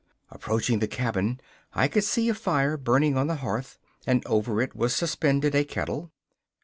Approaching the cabin, I could see a fire burning on the hearth, and over it was suspended a kettle.